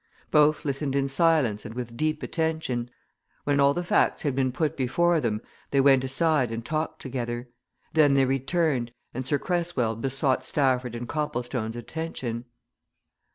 Both listened in silence and with deep attention; when all the facts had been put before them, they went aside and talked together; then they returned and Sir Cresswell besought Stafford and Copplestone's attention.